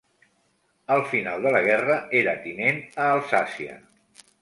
Al final de la guerra era tinent a Alsàcia.